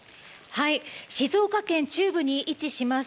静岡県中部に位置します